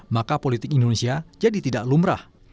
maka politik indonesia jadi tidak lumrah